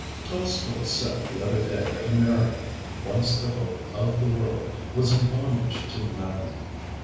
Tolstoi said the other day that America, once the hope of the world, was in bondage to Mammon.